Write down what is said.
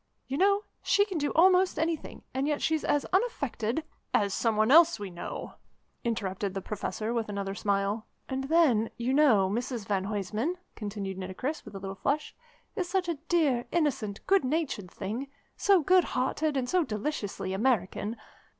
You know, she can do almost anything, and yet she's as unaffected " "As some one else we know," interrupted the Professor with another smile. "And then, you know, Mrs van Huysman," continued Nitocris with a little flush, "is such a dear, innocent, good natured thing, so good hearted and so deliciously American.